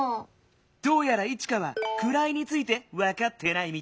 どうやらイチカは「くらい」についてわかってないみたいだね。